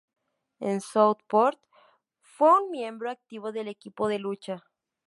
En Southport, fue un miembro activo del equipo de lucha.